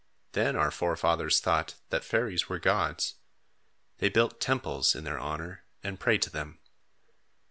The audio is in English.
Then our forefathers thought that fairies were gods. They built temples in their honor, and prayed to them.